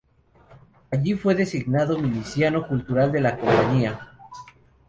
Allí fue designado miliciano cultural de la compañía.